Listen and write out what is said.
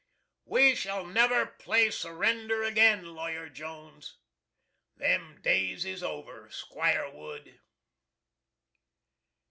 "We shall never play surrender again, Lawyer Jones." "Them days is over, 'Squire Wood!"